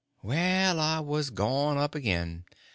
Well, I was gone up again.